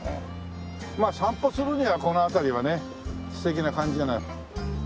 まあ散歩するにはこの辺りはね素敵な感じじゃない。